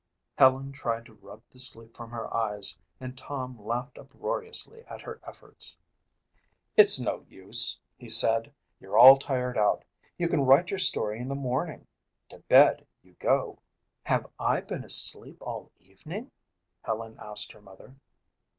Helen tried to rub the sleep from her eyes and Tom laughed uproariously at her efforts. "It's no use," he said. "You're all tired out. You can write your story in the morning. To bed you go." "Have I been asleep all evening?" Helen asked her mother.